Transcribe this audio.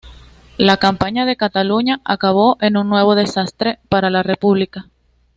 La campaña de Cataluña acabó en un nuevo desastre para la República.